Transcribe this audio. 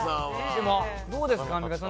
どうですか、アンミカさん。